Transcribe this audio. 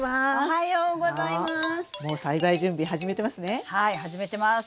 はい始めてます。